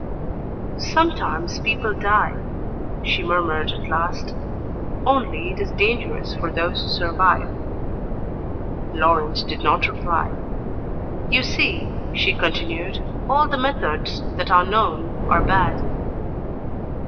"Sometimes people die," she murmured at last. "Only it is dangerous for those who survive." Laurent did not reply. "You see," she continued, "all the methods that are known are bad."